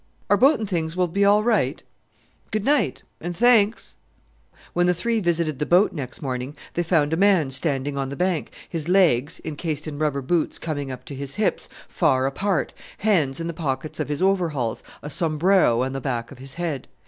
"Our boat and things will be all right? Good night and thanks." When the three visited the boat next morning they found a man standing on the bank, his legs encased in rubber boots coming up to his hips far apart, hands in the pockets of his overalls, a sombrero on the back of his head.